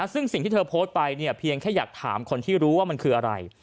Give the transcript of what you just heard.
ซึ่งสิ่งที่เธอโพสต์ไปเนี่ยเพียงแค่อยากถามคนที่รู้ว่ามันคืออะไร